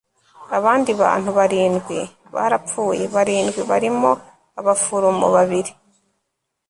abandi bantu barindwi barapfuye. barindwi barimo abaforomo babiri